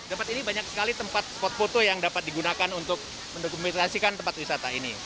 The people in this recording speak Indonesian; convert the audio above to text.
tempat ini banyak sekali tempat spot foto yang dapat digunakan untuk mendokumentasikan tempat wisata ini